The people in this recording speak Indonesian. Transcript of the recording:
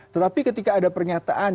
tetapi ketika ada pernyataan